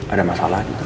ada masalah gitu